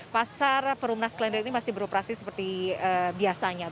pasar perumna sklender ini masih beroperasi seperti biasanya